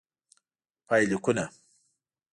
پایلیکونه: